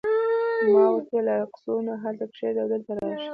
ما ورته وویل: عکسونه هلته کښېږده او دلته راشه.